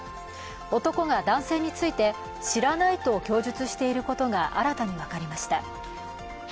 男が男性について知らないと供述していることが新たに分かりました。